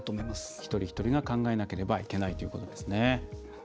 一人一人が考えなければいけないということですね。